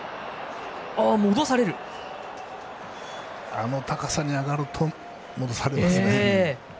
あの高さに上がると戻されますね。